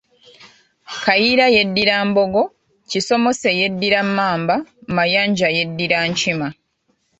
Kayiira yeddira Mbogo, Kisomose yeddira Mmamba, Mayanja yeddira Nkima.